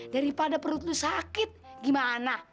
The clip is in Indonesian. daripada perut itu sakit gimana